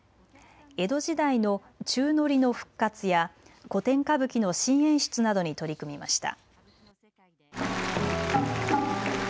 江戸時代の宙乗りの復活や古典歌舞伎の新演出などに取り組みました。